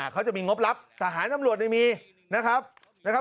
เขาจะมีงบรับทหารสำรวจยังไม่มี